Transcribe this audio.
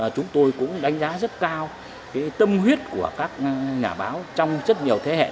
chúng tôi cũng đánh giá rất cao tâm huyết của các nhà báo trong rất nhiều thế hệ